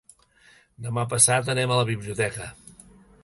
Demà passat anem a la biblioteca.